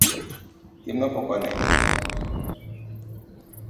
Timno pok one.